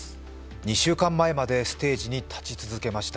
２週間前までステージに立ち続けました。